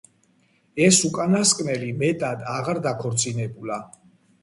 ეს უკანასკნელი მეტად აღარ დაქორწინებულა.